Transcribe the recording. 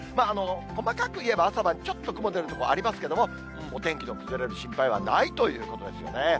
細かくいえば朝晩ちょっと雲出る所ありますけども、お天気の崩れる心配はないということですよね。